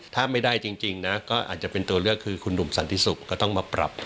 ถ้าไม่ได้จริงนะก็อาจจะเป็นตัวเลือกคือคุณหนุ่มสันติสุขก็ต้องมาปรับ